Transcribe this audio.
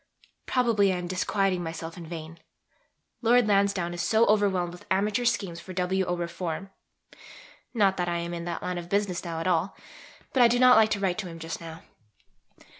Probably I am disquieting myself in vain. Lord Lansdowne is so overwhelmed with amateur schemes for W. O. reform not that I am in that line of business now at all; but I do not like to write to him just now.